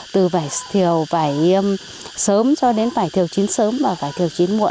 từ vải thiều sớm cho đến vải thiều chín sớm và vải thiều chín muộn